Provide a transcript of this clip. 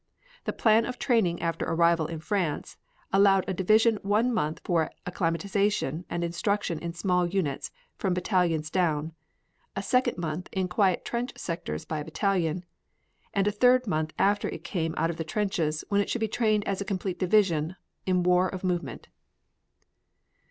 The plan of training after arrival in France allowed a division one month for acclimatization and instruction in small units from battalions down, a second month in quiet trench sectors by battalion, and a third month after it came out of the trenches when it should be trained as a complete division in war of movement....